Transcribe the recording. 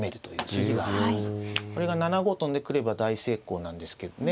これが７五跳んでくれば大成功なんですけどね。